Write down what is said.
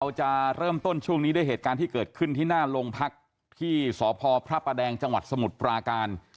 เราจะเริ่มต้นช่วงนี้ด้วยเหตุการณ์ที่เกิดขึ้นที่หน้าโรงพักที่สพพระประแดงจังหวัดสมุทรปราการ